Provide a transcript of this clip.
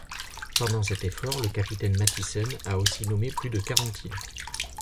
Pendant cet effort le capitaine Matisen a aussi nommé plus de quarante îles.